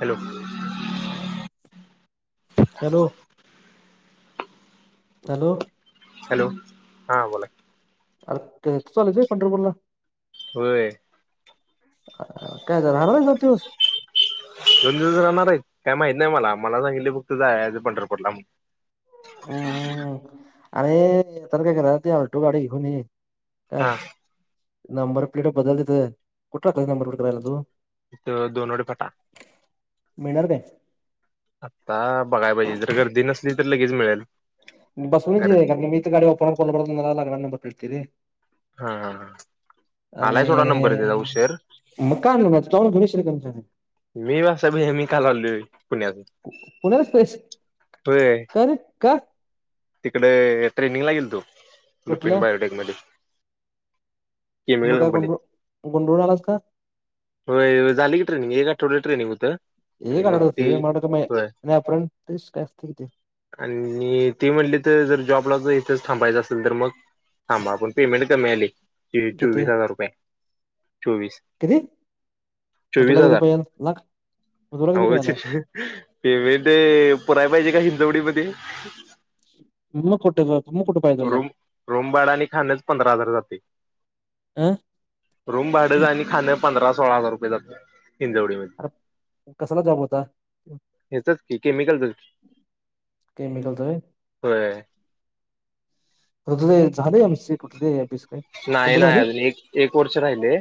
Hello. Hello. Hello. Hello हां बोला आर तू चाललास व्हय पंढरपूरला? होय. ह काय राहणार आहे दोन दिवस? दोन दिवस राहणार आहे? काय माहित नाही मला. मला सांगितले फक्त जायाचं पंढरपूरला म्हणून हमम. अरे मी येताना काय केलं, ती अल्टो गाडी घेऊन ये. काय हा नंबर प्लेट बदललेत व्हय कुठला नंबर प्लेट करायला तू? द दोनवडे पटा मिळणार काय? आता बघाय पाहिजे. जर गर्दी नसली तर लगेच मिळल. बसूनच कार मी तर गाडी वापरतला लग् ब ते [unintelligible] हा हा हा. आलाय थोडा नंबर त्याचा आणि उशीर [unintelligible] मी [unintelligible] काल आलोय पुण्यातून पुण्यालाच पाहिजे. होय का रे, का? [unintelligible] तिकडे ट्रेनिंगला गेलतो लुपिन कुठल्या बायोटेक मध्ये केमिकल मग काय कंपनीत गुंड गुंडळून आलास का? होय. झालं की ट्रेनिंग, एक आठवड्याचं ट्रेनिंग होतं आणि एक मग आठवड्याचं होतं ते होय मला वाटलं तुम्ही नाय [unintelligible] आण्णी ती म्हणली तर जर जॉबला जर इथच थांबायचं असेल तर मग थांबा पण पेमेंट कमी आलंय. हे किती चोवीस हजार रुपये चोवीस किती म चोवीस तुला किती हजार पाहिजेल लाख? म तुला किती मिळाले? पेमेंटये पुराय पाहिजे का हिंदवडीमध्ये. म कुठं बघ रूम, रूम भाडं आणि खाणचं पंधरा हजार जाते. अं रूम भाडंच आणि खाणं पंधरा सोळा हजार रुपये जातं हिंदवडीमध्ये. कसला जॉब होता? हेचच की केमिकलचची. केमिकलचं व्हय? होय. उजवे झाले आमचे कुठल दिसलं. नायी नायी अजून एक, एक वर्ष राहिलेय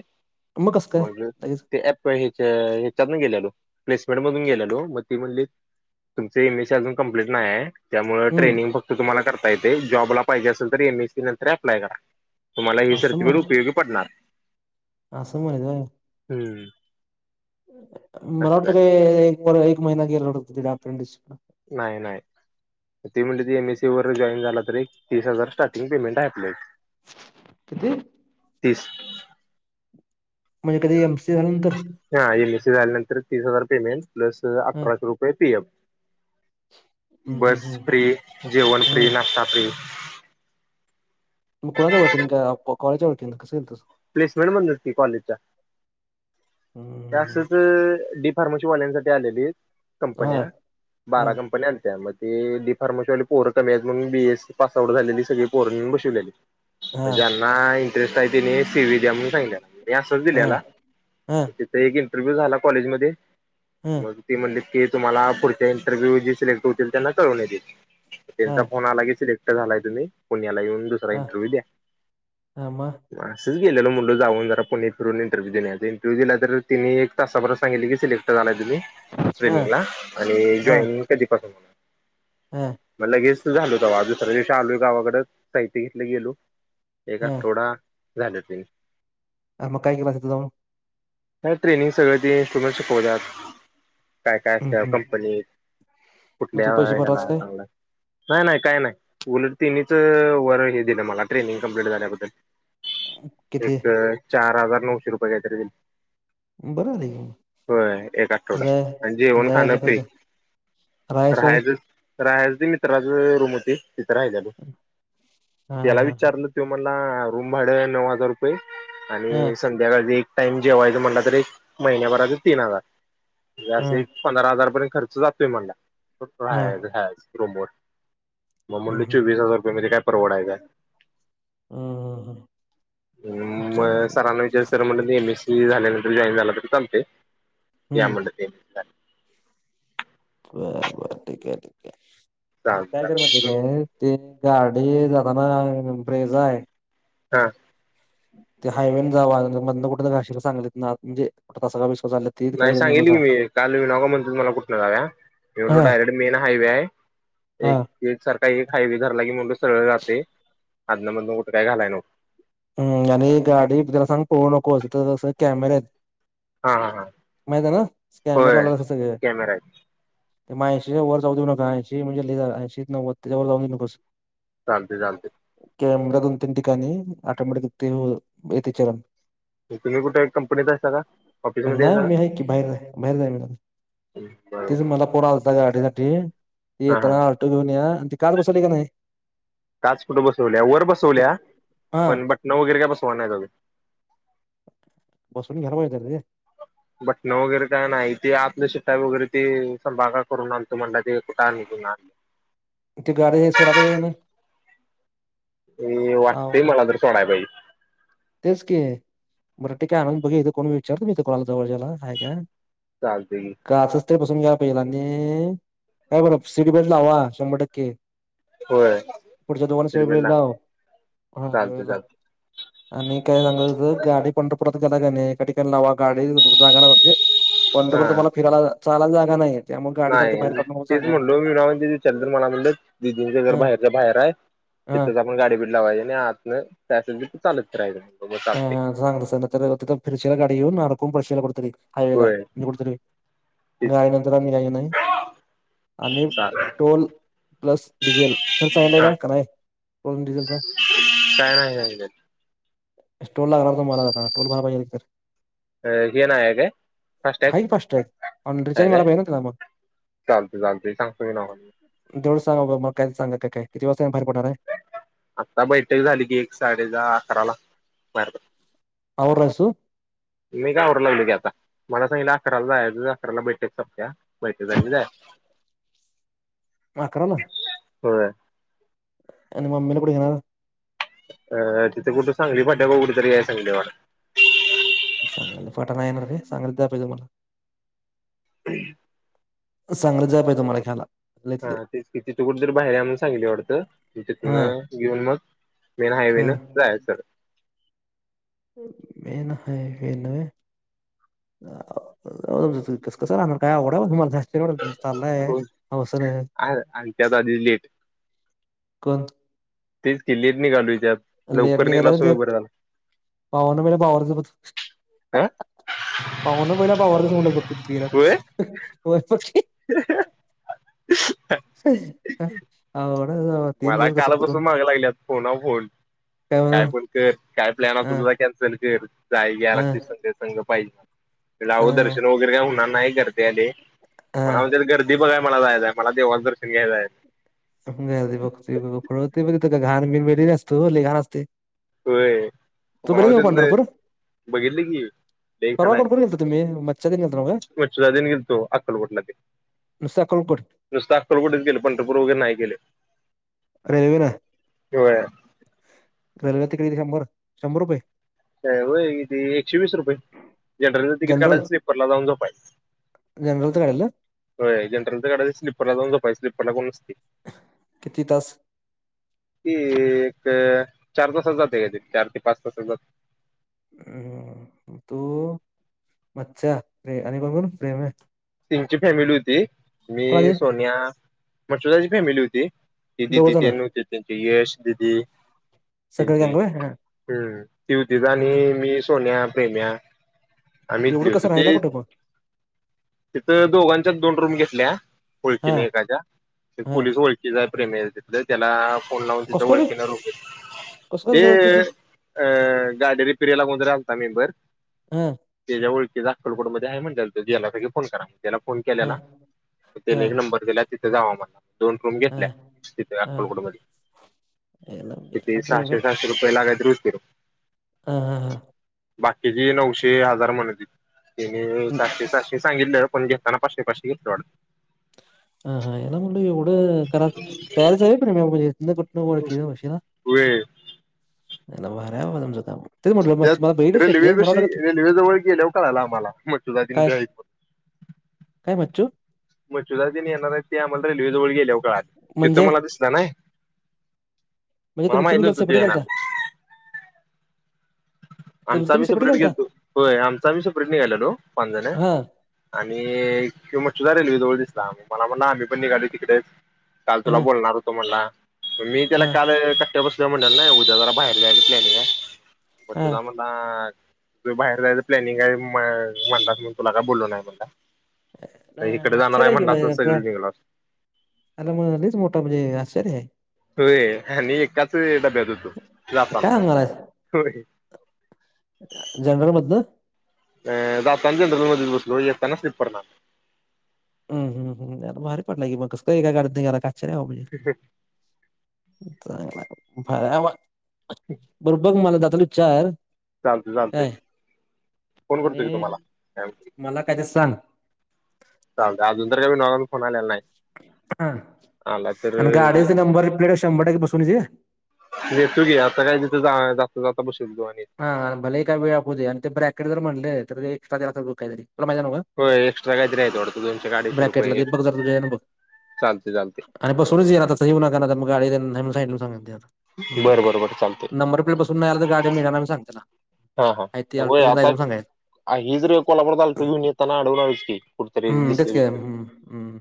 मग कसं काय म्हणजे लगेच ते पं हेच्या ह्याच्यात ना गेल्यालो प्लेसमेंट मधून गेल्यालो मग ती म्हणली तुमची इमेज अजून कंप्लीट नाही आहे त्यामुळ हम्म ट्रेनिंग फक्त तुम्हाला करता येते जॉबला पाहिजे असेल तर एम एसी नंतर अप्लाय करा. तुम्हाला ही असं म्हण सर्टीफिकीट उपयोगी पडणार असं झालं. हम्म. मला असं वाटलं झालं काय एक महिना गेला होत अप्रेंडिस नाही नाही ते म्हटलेत एमएससी वर जॉईन झाला तरी तीस हजार स्टार्टिंग पेमेंट आहे आपल्या इथं किती? तीस. म्हणजे कधी एमसीए झाल्यानंतर? हां एमएससी झाल्यानंतर तीस हजार पेमेंट प्लस हं अठराशे रुपये पीएफ. हं हं बस हं फ्री, जेवण फ्री, हं नाश्ता फ्री मग कुणाच्या ओळखीन काय कॉलेजच्या ओळखीन कसं गेलतास? प्लेसमेंट मधनच की कॉलेजच्या ते हं असंच डी फार्मसीवाल्यांसाठी आलेलीत कंपन्या, हां बारा हां कंपन्या आलत्या म ते डी फार्मसीवाली पोर कमी हायत म्हणून बीएससी पास आउट झालेली सगळी पोर नेऊन बसवले हां ज्यांना इंटरेस्ट आहे त्याने सी व्ही द्या म्हणून सांगितल्या, मी असंच हां दिलेला हां तिथ एक इंटरव्ह्यू झाला कॉलेज मध्ये हां मग ती म्हणलीत की तुम्हाला पुढच्या इंटरव्ह्यू जे सिलेक्ट होतील त्यांना कळवण्यात येईल त्यांचा हां फोन आला की सिलेक्ट झालाय तुम्ही पुण्याला येऊन दुसरा हां इंटरव्ह्यू द्या. हां मग [inaudible] असंच गेल्यालो म्हंणलो जाऊन जरा पुणे फिरून इंटरव्ह्यू द्युन येवुया तेन इंटरव्ह्यु दिला तर तिनी एका तासाभरात सांगितल की सिलेक्ट झालाय तुम्ही हां ट्रेनिंगला आणि जॉईनिंग कधीपासून हां मग लगेच झाल तेव्हा दुसऱ्या दिवशी आलोय गावाकडं साहित्य घेतलं गेलो एक हा आठवडा झाला ते आं मग काय केलास तिथं जाऊन? काय ट्रेनिंग सगळ ते इंस्ट्रुमेंट शिकवत्यात काय काय हम्म असत्या हम्म कंपनीत, मग तू कुठल्या पैसे भरलास ह्याला काय चांगलं नाही नाही काय नाही उलट तेनीच वर हे दिलं मला ट्रेनिंग कंम्प्लीट झाल्याबद्दल किती एक चार हजार नऊशे रुपये काहीतरी दिल बरं झालं की होय एक मग आठवडा जाय आणि जेवण खाणं जायचं खर्च फ्री राहाय सोय राहायचंच राहायच ते मित्राच रूम होती, तिथं राहिल्यालो, हा त्याला हा हा विचारलं त्यो म्हंटला रूम भाड नऊ हजार रुपये आणि हा त्यात आधी एक टाइम जेवायच म्हणलां तरी महिन्याभराच तीन हजार म्हणजे हा आस एक पंधरा हजार पर्यंत खर्च जातोय म्हणला राहायचं हा. खायचं रुमवर मग हम्म म्हटलो हम्म हम्म हम्म, चोवीस हजार रुपय मध्ये काय परवडायच हाय. हम्म, हम्म. [inaudible] हम्म म चालेल सरांना वि सर म्हटलं मी एम एस सी झाल्यानंतर जॉईन झाला तरी चालतंय, या हम्म म्हणले ते बरं बरं ठीक आहे, ठीक आहे काय कर एस माहीतीये सी काय ते गाडी जाताना फ्रेजा आहे. हां ते हायवेन जावा नाहीतर मधन कुठंन घालशीला सांगलीतन आत म्हणजे तासगाव-बिसगाव चाले नाही सांगितल की मी काल येवु नका म्हटलीत मला कुठनं दादया मी म्हटलो डायरेक्ट मेन हायवे आहे. हां. एक एक सारखा एक हायवे धरला की म्हणलो सरळ जातंय आदन-मधन कुठं काय घालाय नको. हम् आणि गाडी त्याला सांग पळवू नकोस तिथं जरा कॅमेरा आहेत. हा हा हा माहित आहे ना स्कॅनर होय लावलेत सगळ. कॅमेरा आहे म ऐंशीच्या वर जाऊ देऊ नका ऐंशी म्हणजे ऐशीच नव्वद च्या वर जाऊ देऊ नकोस. चालतय चालतय. कॅमेरा दोन तीन ठिकाणी ऑटोमॅटिक येते चलाण. तुम्ही कुठे कंपनीत असता का [inaudible] ऑफिसमध्ये नाही असता का मी आहे की बाहेर जा बाहेर जा म. [unintelligible] तेच मला फोन आला होता गाडीसाठी हा हा येेताना ऑटो घेऊन या, आणि ती काच बसवली का नाही? काच कुट बसवल्या, वर बसवल्या हा पण बटन वगैरे काय बसवाय नाहीत अजून. बसवुन घ्यायला पाहिजे होतं रे. बटणं वगैरे काय नाही ते आतलं शिटा वगैरे ते संभा का करून आणतो म्हंटलाय ते कुठं आणुन दिना इथं गाडी सोडायला पाहिजे आणि. ए वाटतेंय अवघड मला तर सोडाय पाहिजे. तेच की बरं ठीक आहे आणून बघूया इथं कोणी विचारतो मी ते कोणाला जवळच्याला हाय काय. चालतय की. काचच ते बसून घ्या पहिला आणि काय बघा सीट बेल्ट लावा शंभर टक्के. होय पुढच्या दोघांना सीट तिरबेल बेल्ट ना लाव, हा चालते वळेला. चालते आणि काय सांगायच होत गाडी पंढरपुरात गेला क नाही एका ठिकाणी लावा गाडी जागा ना म्हणजे. पंढरपुरात हा तुम्हाला फिरायला चालायला जागा नाहीये. नाही तेच म्हणटलो मी ते विचारल तर मला म्हटलं दिदींच घर बाहेरच्या-बाहेर आहे. हा. मग गाडी भिड लावायचि आणि आतन काय असलं ते चालत फिरायचं. मग ह चालते हा सांग तस नाहीतर तिथं फिरशीला गाडी घेऊन अडकून पडशीला कुठं तरी. हायवेला होय कुठतरी म तेच गाडी नंतर आणी निघायचि नाही ना. आणि चालेल टोल प्लस डिझेल खर्च सांगितलाय हा काय, की नाही. क्रम डि. झेलचा काय नाही सांगितलेलं. स्टोल लागला मला जाताना टोल भरायला पाहिजे तर. हे नाही काय आहे की फास्ट फासटाकं टॅग आणि हाय रिचार्ज काय. मारायला पाहिजे ना त्याला मग चालंतय चालंतय सांगतो मी नाव. तेवढ सांग बघकाय सांग काय किती वाजता बाहेर पडणार आहे? आता बैठक झाली की एक साडे दहा, अकराला बाहेर पडायचं. आवरलायस तू? मी काय आवरा लागलोय की आता. मला सांगितलं अकराला जायच अकराला बैठक सपत्या, बैठ झाली की जायचं. [inaudible] अकराला. होय. आणि मम्मी ला कुठ घेणार? अ तिथे कुठं सांगली फाट्याजवळ कुठ तरी याय सांगितलय वाटत. सांगली फाट्यात नाही येणार का सांगली जायाला पाहिजे मला. [unintelligible] सांगलीत जायला पाहिजे मला घ्यायला. हा इथले तेच की तिथ कुठ तरी बाहेर या म्हणून सांगितलय वाटत तिथन हा घेऊन मग मेन हायवे हा न जायाच. मेन हायवे न. कस जाणार? काय अवघड हाय बाबा तुमचं. चालाय हौसन. आणि त्यात आधी लेट कोण? तेच की लेट निघालोय त्यात लेट लवकर निघलो निघाला असतो तर ते बरं झाल असत. पावन बघितल्यावर बावरलंच, हा पावन पहिला बावारलाच बग. होय प्रुथ्वीराज [unintelligible] [unintelligible] [unintelligible] हा मला काल पासून मागं लागलेत, फोनाव-फोन. काय म्हण? ते काय प्लॅन असल अ तुझा कॅन्सल कर जाय याला अ लागतय संघ, संघ पाहिजे. लाव दर्शन वगैरे का होणार नाही गर्दी आहे लय, अ म्हणत्यात गर्दी बघाय मला जायच आहे मला देवाच दर्शन घ्याय जायचयं. [unintelligible] तिथ घाण असतो, लय घाण असते. होय. तू बघितल्यास पंढरपूर? बघितल्य की. लय घाण परवा आहे, कुठपर्यंत गेलता तुम्ही मच्छा तिने गेलता ना का? मच्या तेन गेलतो अक्कलकोट ला तेन. नुसतं अक्कलकोट? नुसत अक्कलकोट च गेलं पंढरपूर वगैर नाही गेलं. रेल्वेन, होय रेल्वे तिकट शंभर, शंभर रुपये. अस हाय व्हय, एकशे वीस रुपये जनरलच तिकीट काढायच स्लीपरला जाऊन झोपायच. जनरल च काढल? होय जनरल च काढायचं स्लीपरला जाऊन झोपायच स्लीपरला कोण नसतंय. किती तास? ते एक, चार तासात जातं येते चार ते पाच तासात जात. हा तू मच्छा आणि कोण कोण प्रेम्या. तेंचि फॅमिली होती, मी, कोणाचे सोन्या मचुदाची फॅमिली होती. ते दोघ दिदी जण तेन हुतीत तेंचि यश, दीदी. सगळे त्यांची, गँग व्हय? हा हम्म ती होतीत आणि मी, सोन्या, प्रेम्या. आम्ही एवढं इथली होतो कसं रहिला ते कुठं मग? तिथं दोघांच्यात दोन रूम घेतल्या हा ओळखीने एकाच्या हा पोलीस ओळखीचा आहे प्रेम्याचा तिथ. त्याला फोन लावून तिथं कसं काय रे ओळखीनं रूम घेतली, कसं काय त्याच्या ते ओळखीचं अ गाडी रिपेरीला कोणतरी आलता मेंम्बर. ह. तेज्या ओळखीचा अक्कलकोट मध्ये आहे म्हंटलेला तो गेलासा की फोन करा. त्याला फोन हा केलेला. मे हा त्याला एक नंबर दिला. तिथ जावा म्हटला. दोन रूम हा घेतल्या. तिथे हा अक्कलकोटमध्ये. याला याला किती प्रेम आहे. सहाशे सहाशे. रुपये ला कायतरी हुती बघ हां हां हां. बाकीची नऊशे हजार म्हणतीत. तेनी हम्म. सहाशे सहाशे सांगितलं पण घेताना पाचशे पाचशे घेतलं वाटतं. हा हा याला म्हणलं एवढं करा तयारच व्हय प्रेम्या कुठनं कुठनं ओळखीचा वशिला. व्हय. आयला भारी हाय बाबा तुमच काम. त्यात रेल्वे बशी रेल्वेजवळ गेल्यावर कळाल आम्हाला मच्छूदा तेन काय हायत म्हणून. [inaudible] काय बच्चू बच्चुदा तेन येणार आहेत ते आम्हाला रेल्वेजवळ गेल्यावर कळाल. तिथं म्हणजे मला दिसलं. नाही. म्हणजे मला तुमचं माहित तुम्ही गेल नव्हतं ते सेपरेट येणार घालता हाय. आमच तुमचं तुम्ही आम्ही सेपरेट शेपरेट घालता गेलतो. होय आमच आम्ही शेपरेट निघाललो पाच जण हा आणि ह्यो मचुदा रेल्वे जवळ दिसला मला म्हणला आम्ही पण निघालोय तिकडच. काल तुला हा बोलणार होतो म्हणला मी त्याला हा काल कट्टयावर बसल म्हणाल्याल नाही उद्या जरा बाहेर जायचं प्लॅनिंग हाय. हा म्हणाला तुझं बाहेर जायचं प्लॅनिंग हाय म म्हंटलास म्हणून तुला काय बोलो नाही म्हटला. इकड अं, जाणार आहे आश्चर्य म्हणलं असताच सगळीच निघलो असतो. आयला मग लईच मोठा म्हणजे आश्चर्यय. होय आणि आणि एकाच डब्यात होतो जातानं काय सांगणार होय. जनरलमधन. अ जाताना जनरल मध्येच बस लो येताना स्लीपरनं आलो. हम् हम ह यार भारी पडला की मग कस काय एका गाडीतनं गेला काय अश्चर्यय बाबा म्हजे. ह हं. चांगलाय भारीय बाबा. बर बघ मला जाताना चार. चालते चालते काय फोन करतो की आणि तुम्हाला काय म्हणते मला काय ते सांग. चालतय अजून तर काय विनू दा चा फोन आलेला नाही. हा आला तर आणि गाडीची नंबर प्लेट शंभर टक्के बसूनच ये. घेतो घे. आता काय तिथे जा जाता जाता बशील त्यो आणि हा हा. भले ही काय वेळ आपू दे आणि ते ब्रॅकेट जर म्हणल तर ते एक्स्ट्रा द्यायला लागतय काही तरी. तुला माहितीय नव्ह का? होय एक्स्ट्रा काही तरी वाटतय दोनशे क अडीचशे ब्रॅकेटला रुपये. ते बघ जर तुझ्या ह्यानं बघ चालते चालते. आणि बसूनच ये ना आता तस येऊ नका मग गाडी नाही म्हणून सांगितल ते आता मुद्दाम. बरं बरं बरं चालते नंबर होय बसून नाही आला तर गाडी मिळणार नाही म्हणून सांग त्याला. हा हा आहे ते होय ऑल्टो घेऊन आता जायचं म्हणून सांगायचं ही जर कोल्हापूर आलत युनिताना अडवून आलच की कुठतरी हम्म दिसल तेच की बिसल. हम्म हम्म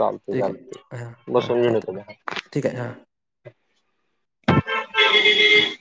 चालतय ठीक चालतय आहे हां हां बसवून घेऊन येतो चालतंय घ्या. ठीक आहे हां [inaudible]